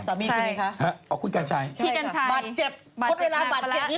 สามีคุณค่ะคุณกัญชัยใช่ครับบาดเจ็บพอเวลาบาดเจ็บ